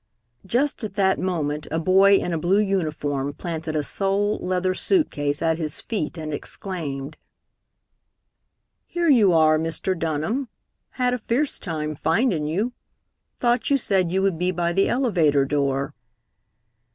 Just at that moment a boy in a blue uniform planted a sole leather suit case at his feet, and exclaimed: "Here you are, Mr. Dunham. Had a fierce time findin' you. Thought you said you would be by the elevator door."